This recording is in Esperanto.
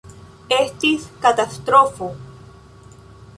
Estis katastrofo.